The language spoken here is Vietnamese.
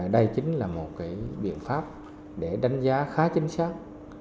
đây chính là một biện pháp để đánh giá khá chính xác